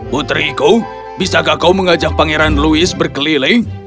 putriku bisakah kau mengajak pangeran louis berkeliling